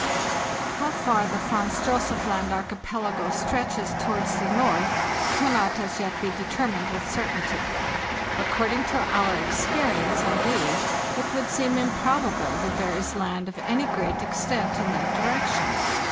How far the Franz Josef Land archipelago stretches towards the north cannot as yet be determined with certainty. According to our experience, indeed, it would seem improbable that there is land of any great extent in that direction.